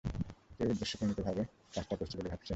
কেউ উদ্দেশ্যপ্রণোদিতভাবে কাজটা করেছে বলে ভাবছেন?